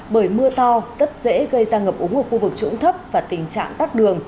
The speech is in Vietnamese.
bởi mưa to rất dễ gây ra ngập ống của khu vực trũng thấp và tình trạng tắt đường